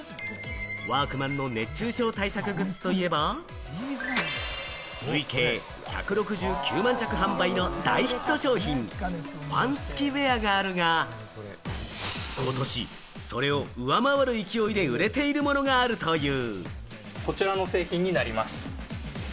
ワークマンの熱中症対策グッズといえば、累計１６９万着販売の大ヒット商品、ファン付きウエアがあるが、ことし、それを上回る勢いで売れているものがあるという。